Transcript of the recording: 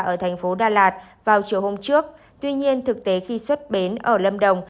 ở thành phố đà lạt vào chiều hôm trước tuy nhiên thực tế khi xuất bến ở lâm đồng